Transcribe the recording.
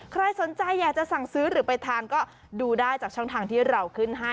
ใครสนใจอยากจะสั่งซื้อหรือไปทานก็ดูได้จากช่องทางที่เราขึ้นให้